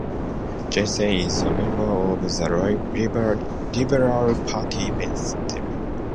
Jensen is a member of the Liberal party Venstre.